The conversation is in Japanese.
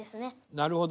なるほど。